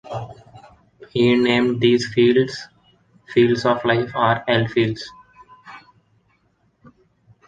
He named these fields "fields of life" or L-Fields.